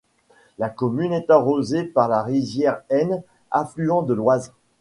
La commune est arrosée par la rivière Aisne, affluent de l'Oise.